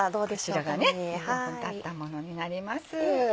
こちらが１５分たったものになります。